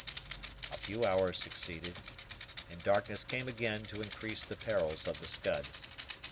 A few hours succeeded, and darkness came again to increase the perils of the Scud.